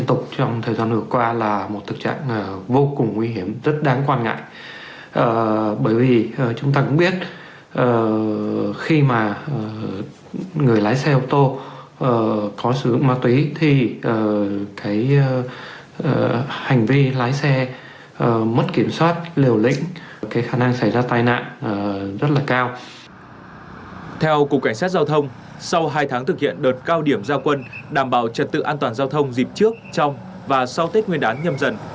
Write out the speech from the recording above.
theo cục cảnh sát giao thông sau hai tháng thực hiện đợt cao điểm giao quân đảm bảo trật tự an toàn giao thông dịp trước trong và sau tết nguyên đán nhầm dần